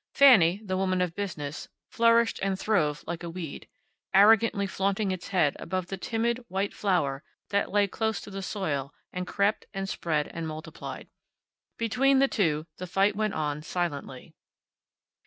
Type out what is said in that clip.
Fanny, the woman of business, flourished and throve like a weed, arrogantly flaunting its head above the timid, white flower that lay close to the soil, and crept, and spread, and multiplied. Between the two the fight went on silently.